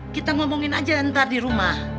kita ngomongin aja ntar dirumah